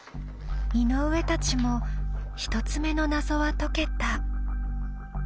井上たちも１つ目の謎は解けた。